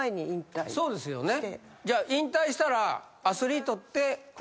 引退したらアスリートって。